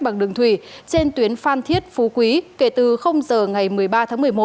bằng đường thủy trên tuyến phan thiết phú quý kể từ giờ ngày một mươi ba tháng một mươi một